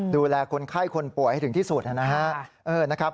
ดูแลคนไข้คนป่วยให้ถึงที่สุดนะครับ